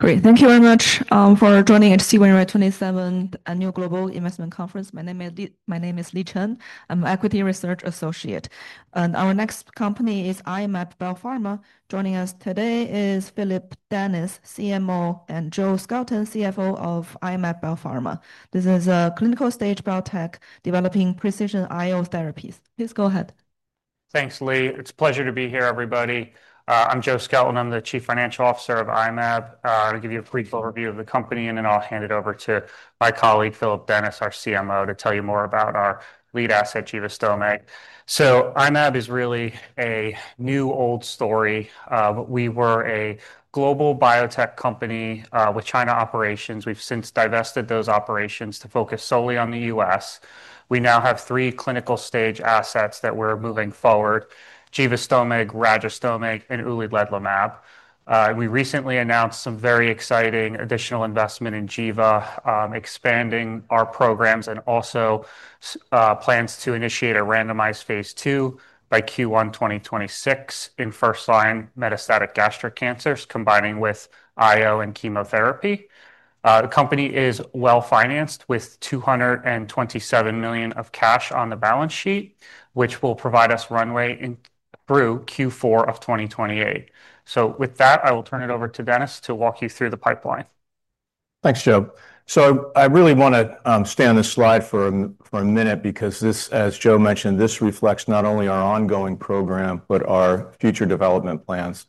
Great. Thank you very much for joining at CWA 27th Annual Global Investment Conference. My name is Li Chen. I'm an Equity Research Associate. Our next company is I-Mab Biopharma. Joining us today is Phillip Dennis, CMO, and Joseph Skelton, CFO of I-Mab Biopharma. This is a clinical-stage biotech developing precision immuno-oncology therapies. Please go ahead. Thanks, Li. It's a pleasure to be here, everybody. I'm Joseph Skelton. I'm the Chief Financial Officer of I-Mab. I'll give you a brief overview of the company, and then I'll hand it over to my colleague Phillip Dennis, our CMO, to tell you more about our lead asset, Jeva Stomach. I-Mab is really a new old story. We were a global biotech company with China operations. We've since divested those operations to focus solely on the U.S. We now have three clinical-stage assets that we're moving forward: Jeva Stomach, Raja Stomach, and Uli Ledla Mab. We recently announced some very exciting additional investment in Jeva, expanding our programs and also plans to initiate a randomized phase two by Q1 2026 in front-line metastatic gastric cancers, combining with I/O and chemotherapy. The company is well financed with $227 million of cash on the balance sheet, which will provide us runway through Q4 of 2028. I will turn it over to Dennis to walk you through the pipeline. Thanks, Joe. I really want to stay on this slide for a minute because this, as Joe mentioned, reflects not only our ongoing program but our future development plans.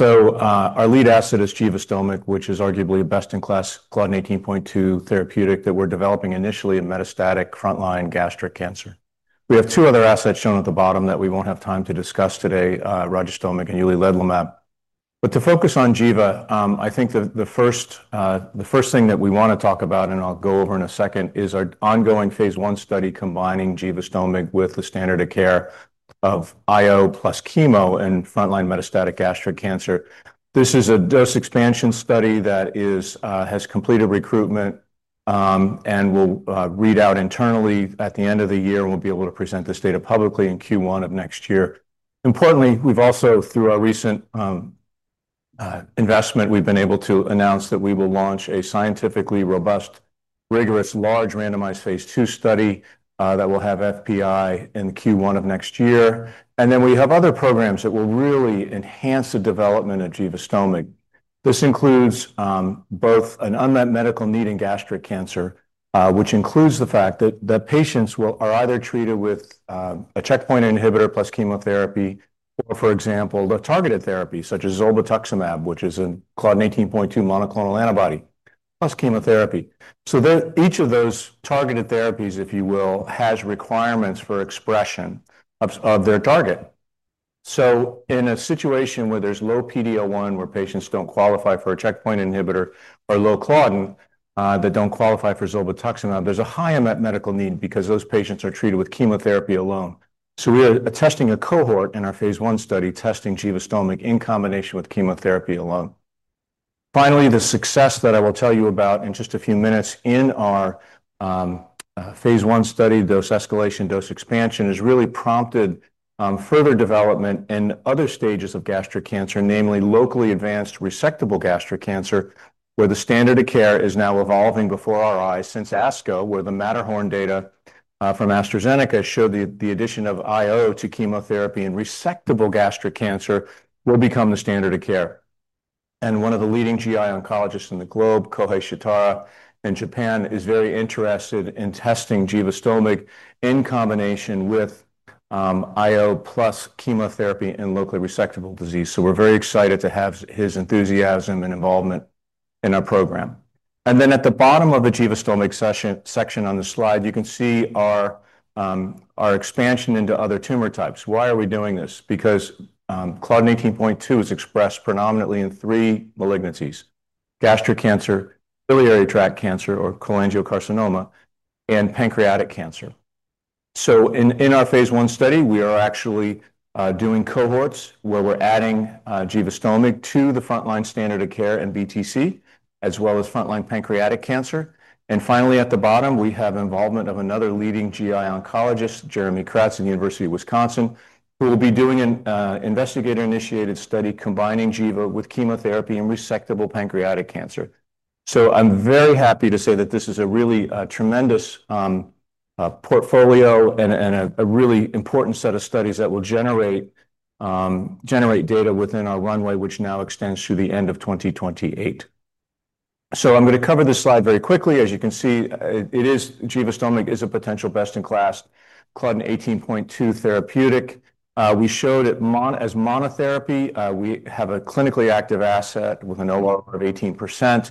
Our lead asset is Jeva Stomach, which is arguably a best-in-class, Claudin 18.2 therapeutic that we're developing initially in front-line metastatic gastric cancer. We have two other assets shown at the bottom that we won't have time to discuss today, Raja Stomach and Uli Ledla Mab. To focus on Jeva, the first thing that we want to talk about, and I'll go over in a second, is our ongoing phase one study combining Jeva Stomach with the standard of care of I/O plus chemo in front-line metastatic gastric cancer. This is a dose expansion study that has completed recruitment and will read out internally at the end of the year, and we'll be able to present this data publicly in Q1 of next year. Importantly, through our recent investment, we've been able to announce that we will launch a scientifically robust, rigorous, large randomized phase two study that will have FPI in Q1 of next year. We have other programs that will really enhance the development of Jeva Stomach. This includes both an unmet medical need in gastric cancer, which includes the fact that patients are either treated with a checkpoint inhibitor plus chemotherapy or, for example, the targeted therapy such as Zolbetuximab, which is a Claudin 18.2 monoclonal antibody plus chemotherapy. Each of those targeted therapies, if you will, has requirements for expression of their target. In a situation where there's low PD-L1, where patients don't qualify for a checkpoint inhibitor, or low Claudin that don't qualify for Zolbetuximab, there's a high unmet medical need because those patients are treated with chemotherapy alone. We are testing a cohort in our phase one study, testing Jeva Stomach in combination with chemotherapy alone. Finally, the success that I will tell you about in just a few minutes in our phase one study, dose escalation, dose expansion, has really prompted further development in other stages of gastric cancer, namely locally advanced resectable gastric cancer, where the standard of care is now evolving before our eyes since ASCO, where the Matterhorn data from AstraZeneca showed the addition of I/O to chemotherapy in resectable gastric cancer will become the standard of care. One of the leading GI oncologists in the globe, Kohei Shitara in Japan, is very interested in testing Jeva Stomach in combination with I/O plus chemotherapy in locally resectable disease. We're very excited to have his enthusiasm and involvement in our program. At the bottom of the Jeva Stomach section on the slide, you can see our expansion into other tumor types. Why are we doing this? Because Claudin 18.2 is expressed predominantly in three malignancies: gastric cancer, biliary tract cancer or cholangiocarcinoma, and pancreatic cancer. In our phase one study, we are actually doing cohorts where we're adding Jeva Stomach to the front-line standard of care in BTC, as well as front-line pancreatic cancer. Finally, at the bottom, we have involvement of another leading GI oncologist, Jeremy Kratz, University of Wisconsin, who will be doing an investigator-initiated study combining Jeva with chemotherapy in resectable pancreatic cancer. I'm very happy to say that this is a really tremendous portfolio and a really important set of studies that will generate data within our runway, which now extends to the end of 2028. I'm going to cover this slide very quickly. As you can see, Jeva Stomach is a potential best-in-class Claudin 18.2 therapeutic. We showed it as monotherapy. We have a clinically active asset with an ORR of 18%,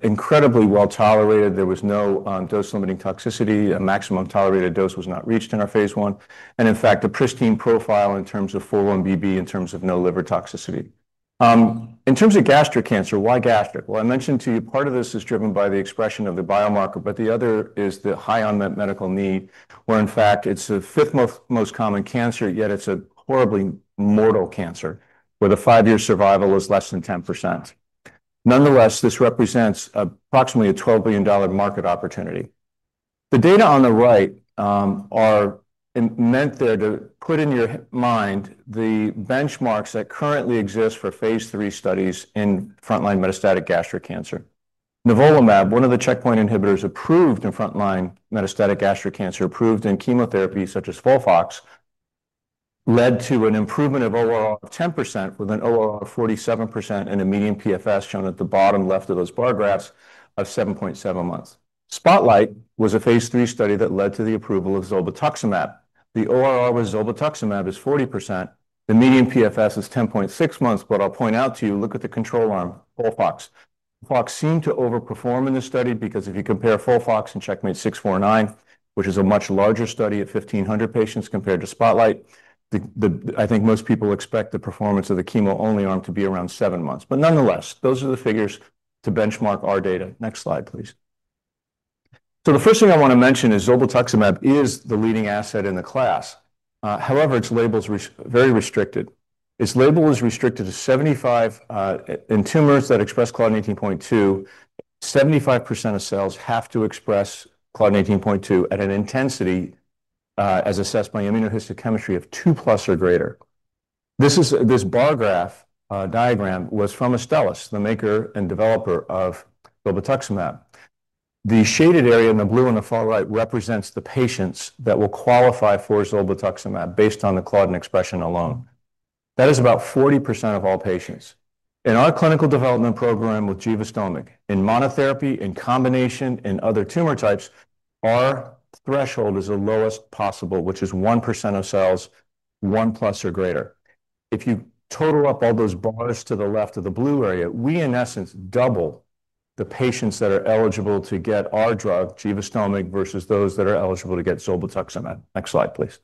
incredibly well tolerated. There was no dose-limiting toxicity. A maximum tolerated dose was not reached in our phase one. In fact, a pristine profile in terms of full 1BB, in terms of no liver toxicity. In terms of gastric cancer, why gastric? I mentioned to you part of this is driven by the expression of the biomarker, but the other is the high unmet medical need where, in fact, it's the fifth most common cancer, yet it's a horribly mortal cancer where the five-year survival is less than 10%. Nonetheless, this represents approximately a $12 billion market opportunity. The data on the right are meant there to put in your mind the benchmarks that currently exist for phase three studies in front-line metastatic gastric cancer. Nivolumab, one of the checkpoint inhibitors approved in front-line metastatic gastric cancer, approved in chemotherapy such as FOLFOX, led to an improvement of ORR of 10% with an ORR of 47% and a median PFS shown at the bottom left of those bar graphs of 7.7 months. Spotlight was a phase three study that led to the approval of Zolbetuximab. The ORR with Zolbetuximab is 40%. The median PFS is 10.6 months, but I'll point out to you, look at the control arm, FOLFOX. FOLFOX seemed to overperform in this study because if you compare FOLFOX and CheckMate 649, which is a much larger study of 1,500 patients compared to Spotlight, I think most people expect the performance of the chemo only arm to be around seven months. Nonetheless, those are the figures to benchmark our data. Next slide, please. The first thing I want to mention is Zolbetuximab is the leading asset in the class. However, its label is very restricted. Its label is restricted to 75% in tumors that express Claudin 18.2. 75% of cells have to express Claudin 18.2 at an intensity as assessed by immunohistochemistry of 2 plus or greater. This bar graph diagram was from Astellas, the maker and developer of Zolbetuximab. The shaded area in the blue on the far right represents the patients that will qualify for Zolbetuximab based on the Claudin expression alone. That is about 40% of all patients. In our clinical development program with Jeva Stomach, in monotherapy, in combination, and other tumor types, our threshold is the lowest possible, which is 1% of cells, 1 plus or greater. If you total up all those bars to the left of the blue area, we, in essence, double the patients that are eligible to get our drug, Jeva Stomach, versus those that are eligible to get Zolbetuximab. Next slide, please.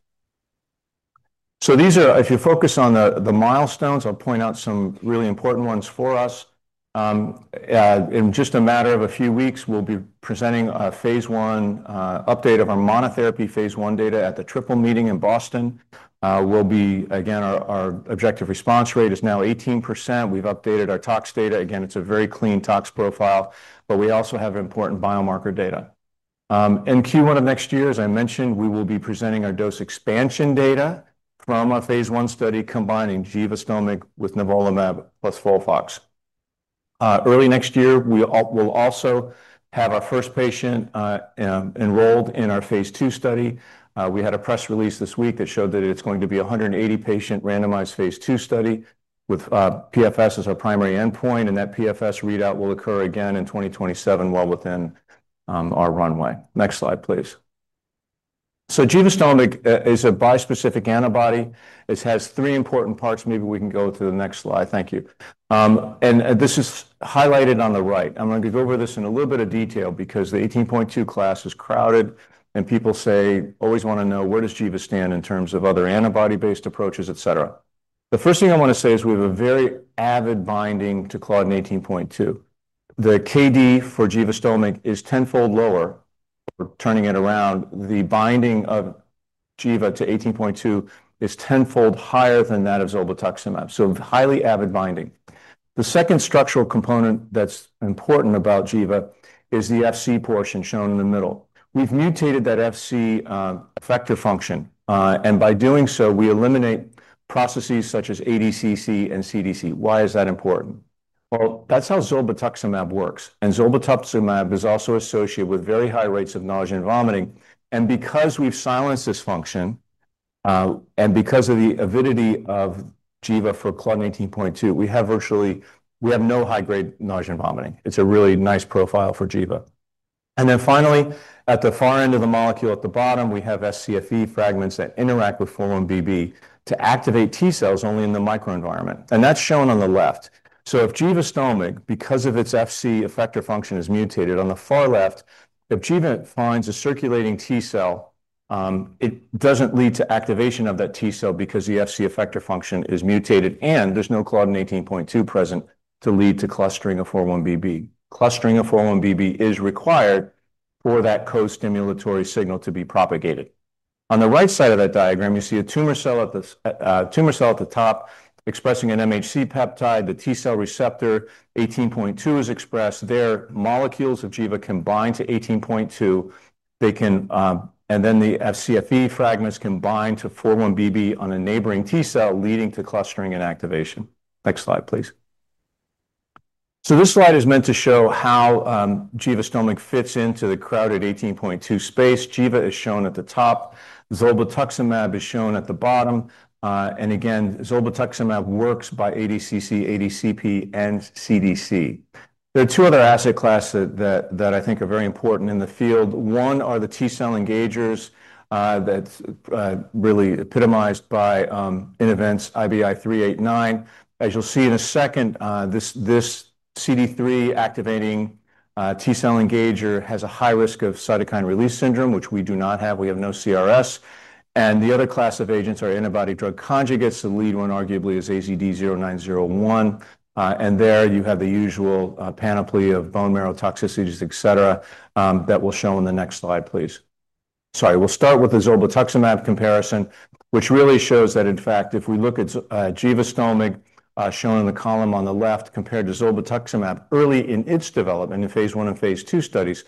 If you focus on the milestones, I'll point out some really important ones for us. In just a matter of a few weeks, we'll be presenting a phase one update of our monotherapy phase one data at the triple meeting in Boston. Again, our objective response rate is now 18%. We've updated our tox data. Again, it's a very clean tox profile, but we also have important biomarker data. In Q1 of next year, as I mentioned, we will be presenting our dose expansion data from a phase one study combining Jeva Stomach with Nivolumab plus FOLFOX. Early next year, we will also have our first patient enrolled in our phase two study. We had a press release this week that showed that it's going to be a 180-patient randomized phase two study with PFS as our primary endpoint, and that PFS readout will occur again in 2027 while within our runway. Next slide, please. Jeva Stomach is a bispecific antibody. It has three important parts. Maybe we can go to the next slide. Thank you. This is highlighted on the right. I'm going to go over this in a little bit of detail because the 18.2 class is crowded and people always want to know where does Jeva stand in terms of other antibody-based approaches, et cetera. The first thing I want to say is we have a very avid binding to Claudin 18.2. The KD for Jeva Stomach is tenfold lower. We're turning it around. The binding of Jeva to 18.2 is tenfold higher than that of Zolbetuximab, so highly avid binding. The second structural component that's important about Jeva is the FC portion shown in the middle. We've mutated that FC effector function, and by doing so, we eliminate processes such as ADCC and CDC. Why is that important? That's how Zolbetuximab works, and Zolbetuximab is also associated with very high rates of nausea and vomiting. Because we've silenced this function and because of the avidity of Jeva for Claudin 18.2, we have virtually, we have no high-grade nausea and vomiting. It's a really nice profile for Jeva. Finally, at the far end of the molecule at the bottom, we have SCFE fragments that interact with full 1BB to activate T cells only in the microenvironment, and that's shown on the left. If Jeva Stomach, because its FC effector function is mutated on the far left, if Jeva finds a circulating T cell, it doesn't lead to activation of that T cell because the FC effector function is mutated and there's no Claudin 18.2 present to lead to clustering of full 1BB. Clustering of full 1BB is required for that co-stimulatory signal to be propagated. On the right side of that diagram, you see a tumor cell at the top expressing an MHC peptide. The T cell receptor 18.2 is expressed. There, molecules of Jeva combine to 18.2. They can, and then the SCFE fragments combine to full 1BB on a neighboring T cell, leading to clustering and activation. Next slide, please. This slide is meant to show how Jeva Stomach fits into the crowded 18.2 space. Jeva is shown at the top. Zolbetuximab is shown at the bottom. Again, Zolbetuximab works by ADCC, ADCP, and CDC. There are two other asset classes that I think are very important in the field. One are the T cell engagers that's really epitomized by, in events, IBI389. As you'll see in a second, this CD3 activating T cell engager has a high risk of cytokine release syndrome, which we do not have. We have no CRS. The other class of agents are antibody-drug conjugates. The lead one arguably is AZD0901. There you have the usual panoply of bone marrow toxicities, et cetera, that we'll show in the next slide, please. Sorry. We'll start with the Zolbetuximab comparison, which really shows that, in fact, if we look at Jeva Stomach shown in the column on the left compared to Zolbetuximab early in its development in phase one and phase two studies,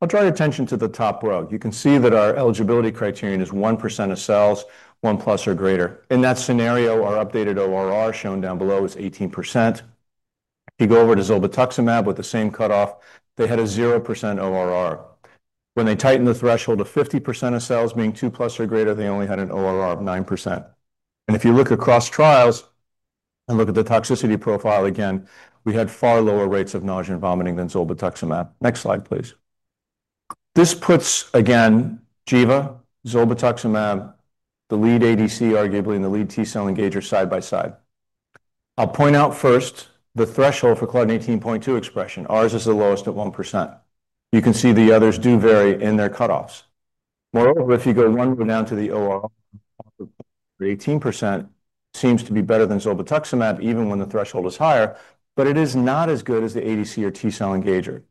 I'll draw your attention to the top row. You can see that our eligibility criterion is 1% of cells, 1 plus or greater. In that scenario, our updated ORR shown down below is 18%. If you go over to Zolbetuximab with the same cutoff, they had a 0% ORR. When they tightened the threshold of 50% of cells being 2 plus or greater, they only had an ORR of 9%. If you look across trials and look at the toxicity profile again, we had far lower rates of nausea and vomiting than Zolbetuximab. Next slide, please. This puts, again, Jeva, Zolbetuximab, the lead ADC, arguably, and the lead T cell engager side by side. I'll point out first the threshold for Claudin 18.2 expression. Ours is the lowest at 1%. You can see the others do vary in their cutoffs. Moreover, if you go one down to the ORR, 18% seems to be better than Zolbetuximab, even when the threshold is higher, but it is not as good as the ADC or T cell engager.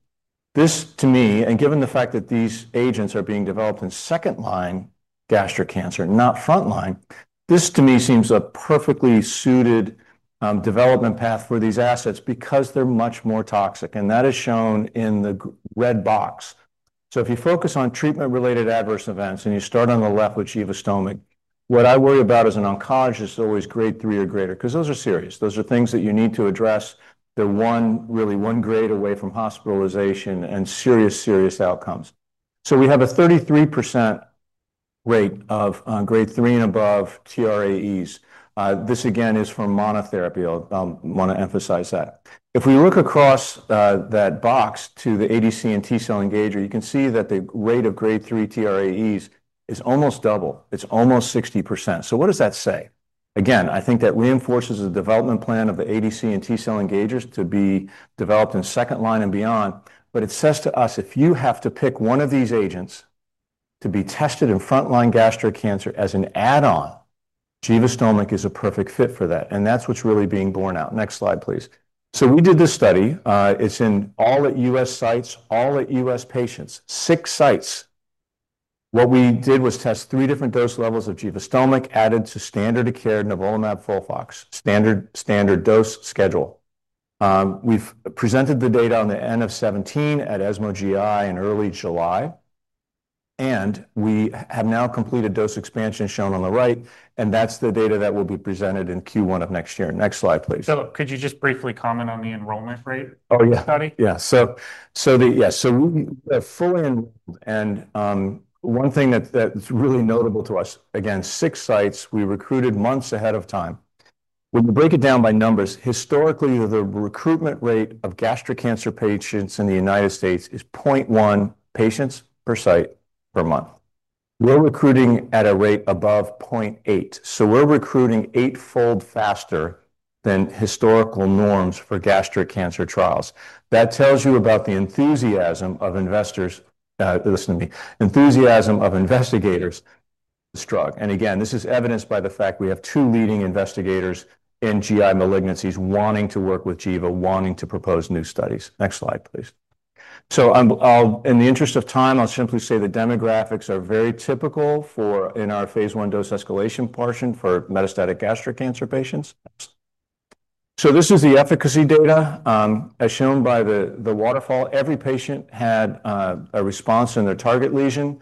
This, to me, and given the fact that these agents are being developed in second-line gastric cancer, not front-line, this, to me, seems a perfectly suited development path for these assets because they're much more toxic. That is shown in the red box. If you focus on treatment-related adverse events and you start on the left with Jeva Stomach, what I worry about as an oncologist is always grade three or greater because those are serious. Those are things that you need to address. They're really one grade away from hospitalization and serious, serious outcomes. We have a 33% rate of grade three and above TRAEs. This, again, is from monotherapy. I want to emphasize that. If we look across that box to the ADC and T cell engager, you can see that the rate of grade three TRAEs is almost double. It's almost 60%. What does that say? I think that reinforces the development plan of the ADC and T cell engagers to be developed in second-line and beyond. It says to us, if you have to pick one of these agents to be tested in front-line gastric cancer as an add-on, Jeva Stomach is a perfect fit for that. That's what's really being borne out. Next slide, please. We did this study. It's in all at U.S. sites, all at U.S. patients, six sites. What we did was test three different dose levels of Jeva Stomach added to standard of care Nivolumab FOLFOX, standard dose schedule. We've presented the data on the NF-17 at ESMO GI in early July. We have now completed dose expansion shown on the right. That's the data that will be presented in Q1 of next year. Next slide, please. Could you just briefly comment on the enrollment rate study? Yeah, we have full in. One thing that's really notable to us, again, six sites, we recruited months ahead of time. When you break it down by numbers, historically, the recruitment rate of gastric cancer patients in the U.S. is 0.1 patients per site per month. We're recruiting at a rate above 0.8. We're recruiting eightfold faster than historical norms for gastric cancer trials. That tells you about the enthusiasm of investigators in this drug. This is evidenced by the fact we have two leading investigators in GI malignancies wanting to work with Jeva, wanting to propose new studies. Next slide, please. In the interest of time, I'll simply say the demographics are very typical for our phase one dose escalation portion for metastatic gastric cancer patients. This is the efficacy data. As shown by the waterfall, every patient had a response in their target lesion.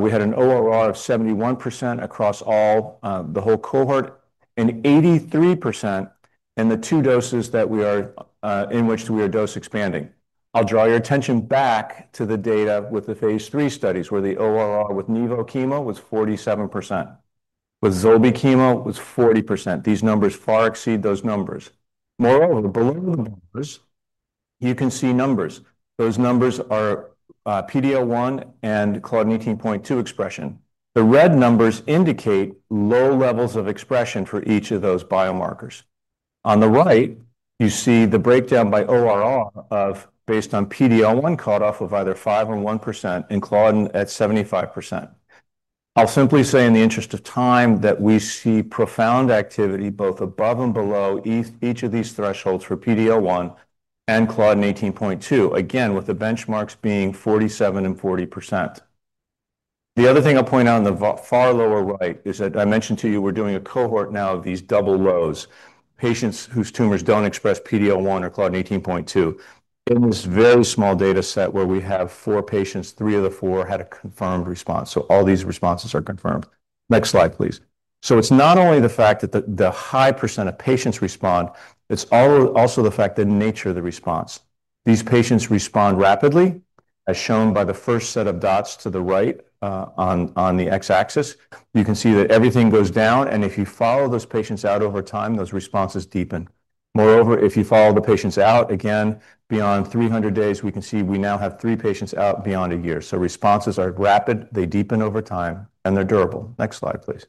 We had an ORR of 71% across the whole cohort and 83% in the two doses in which we are dose expanding. I'll draw your attention back to the data with the phase three studies where the ORR with Nivolumab chemo was 47%. With Zolbetuximab chemo was 40%. These numbers far exceed those numbers. Moreover, below the numbers, you can see numbers. Those numbers are PD-L1 and Claudin 18.2 expression. The red numbers indicate low levels of expression for each of those biomarkers. On the right, you see the breakdown by ORR based on PD-L1 cutoff of either 5% and 1% and Claudin at 75%. I'll simply say in the interest of time that we see profound activity both above and below each of these thresholds for PD-L1 and Claudin 18.2, again with the benchmarks being 47% and 40%. The other thing I'll point out in the far lower right is that I mentioned to you we're doing a cohort now of these double lows, patients whose tumors don't express PD-L1 or Claudin 18.2. In this very small data set where we have four patients, three of the four had a confirmed response. All these responses are confirmed. Next slide, please. It's not only the fact that the high percent of patients respond, it's also the fact that the nature of the response. These patients respond rapidly, as shown by the first set of dots to the right on the x-axis. You can see that everything goes down. If you follow those patients out over time, those responses deepen. Moreover, if you follow the patients out again beyond 300 days, we can see we now have three patients out beyond a year. Responses are rapid, they deepen over time, and they're durable. Next slide, please.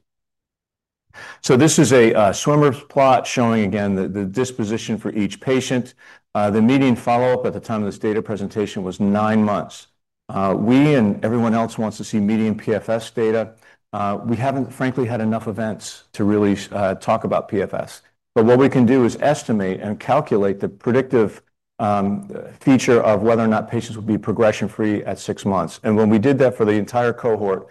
This is a swimmer's plot showing again the disposition for each patient. The median follow-up at the time of this data presentation was nine months. We and everyone else want to see median PFS data. We haven't, frankly, had enough events to really talk about PFS. What we can do is estimate and calculate the predictive feature of whether or not patients will be progression-free at six months. When we did that for the entire cohort,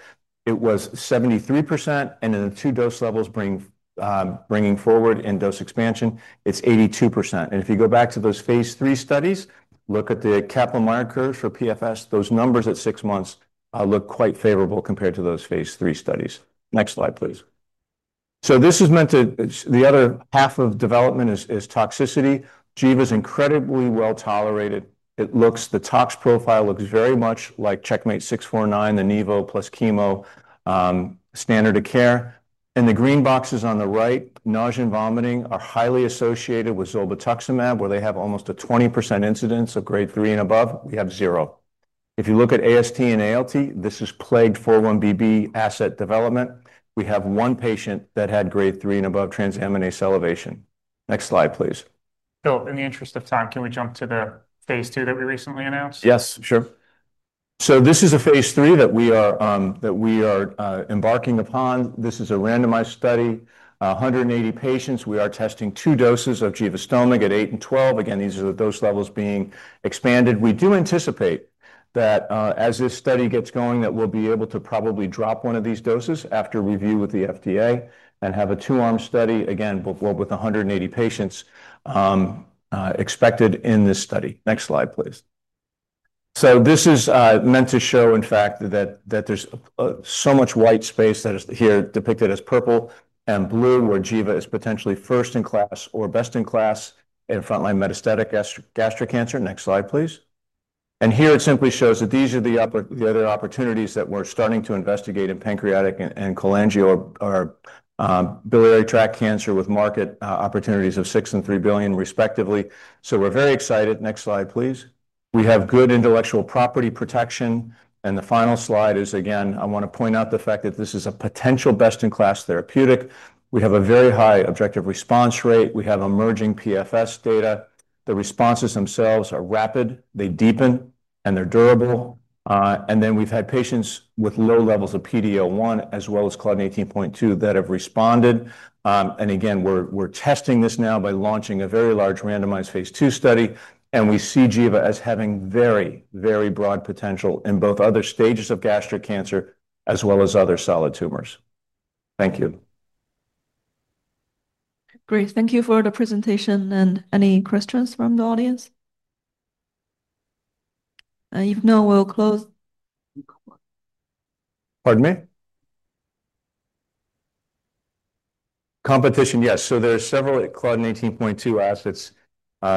it was 73%. The two dose levels bringing forward in dose expansion, it's 82%. If you go back to those phase three studies, look at the Kaplan-Meier curve for PFS. Those numbers at six months look quite favorable compared to those phase three studies. Next slide, please. This is meant to, the other half of development is toxicity. Jeva is incredibly well tolerated. The tox profile looks very much like CheckMate 649, the Nivolumab plus chemo standard of care. The green boxes on the right, nausea and vomiting are highly associated with Zolbetuximab, where they have almost a 20% incidence of grade three and above. We have zero. If you look at AST and ALT, this has plagued full 1BB asset development. We have one patient that had grade three and above transaminase elevation. Next slide, please. In the interest of time, can we jump to the phase two that we recently announced? Yes, sure. This is a phase three that we are embarking upon. This is a randomized study, 180 patients. We are testing two doses of Jeva Stomach at 8 and 12. These are the dose levels being expanded. We do anticipate that as this study gets going, we'll be able to probably drop one of these doses after review with the FDA and have a two-arm study, with 180 patients expected in this study. Next slide, please. This is meant to show, in fact, that there's so much white space that is here depicted as purple and blue, where Jeva is potentially first-in-class or best-in-class in front-line metastatic gastric cancer. Next slide, please. Here it simply shows that these are the other opportunities that we're starting to investigate in pancreatic and cholangio or biliary tract cancer with market opportunities of $6 billion and $3 billion, respectively. We're very excited. Next slide, please. We have good intellectual property protection. The final slide is, again, I want to point out the fact that this is a potential best-in-class therapeutic. We have a very high objective response rate. We have emerging PFS data. The responses themselves are rapid. They deepen, and they're durable. We've had patients with low levels of PD-L1, as well as Claudin 18.2, that have responded. We're testing this now by launching a very large randomized phase two study. We see Jeva as having very, very broad potential in both other stages of gastric cancer, as well as other solid tumors. Thank you. Great. Thank you for the presentation. Any questions from the audience? If no, we'll close. Pardon me? Competition, yes. There are several Claudin 18.2 assets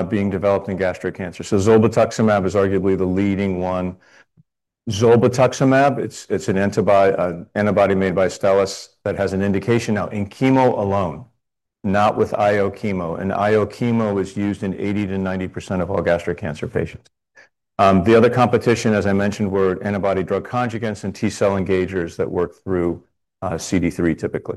being developed in gastric cancer. Zolbetuximab is arguably the leading one. Zolbetuximab, it's an antibody made by Astellas that has an indication now in chemo alone, not with I/O chemo. I/O chemo is used in 80% to 90% of all gastric cancer patients. The other competition, as I mentioned, were antibody-drug conjugates and T cell engagers that work through CD3, typically.